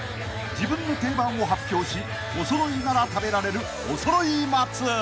［自分の定番を発表しおそろいなら食べられる］